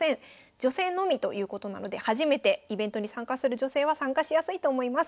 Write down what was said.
女性のみということなので初めてイベントに参加する女性は参加しやすいと思います。